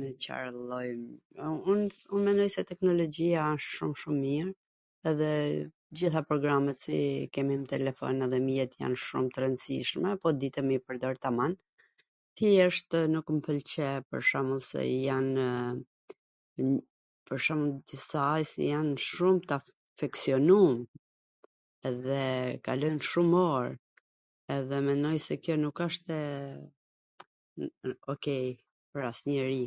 Me Car lloj... un mendoj se teknologjia asht shum shum mir edhe t gjitha programet si kemi n telefon dhe mjet jan shum t rwndsishme po dite me i pwrdor taman, thjeshtw nuk mw pwlqe psh se janw pwr shwmbull disa qw jan shum t afeksionum edhe kalojn shum or edhe mendoj se kjo nuk ashtw okej pwr asnjw njeri.